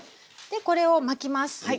これを巻きます。